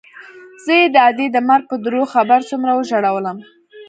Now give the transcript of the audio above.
زه يې د ادې د مرګ په درواغ خبر څومره وژړولوم.